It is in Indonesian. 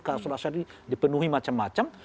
kalau syarat ini dipenuhi macam macam